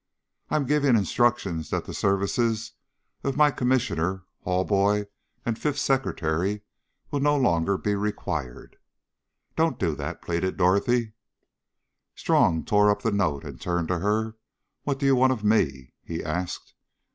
"I am giving instructions that the services of my commissionaire, hall boy, and fifth secretary will no longer be required." "Don't do that," pleaded Dorothy. Strong tore up the note and turned to her. "What do you want of me?" he asked.